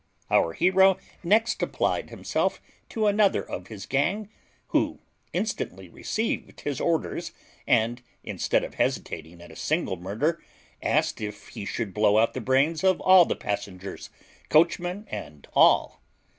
Our hero next applied himself to another of his gang, who instantly received his orders, and, instead of hesitating at a single murder, asked if he should blow out the brains of all the passengers, coachman and all.